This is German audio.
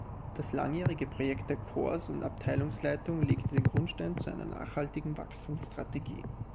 Das langjährige Projekt der Corps- und Abteilungsleitung legte den Grundstein zu einer nachhaltigen Wachstumsstrategie.